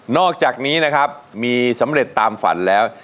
อกจากนี้นะครับมีสำเร็จตามฝันแล้ว